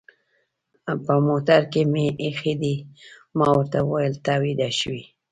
په موټر کې مې اېښي دي، ما ورته وویل: ته ویده شوې؟